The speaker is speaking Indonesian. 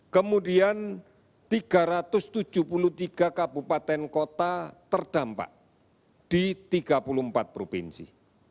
kemudian tiga ratus tujuh puluh tiga kabupaten kota terdampak di tiga puluh empat provinsi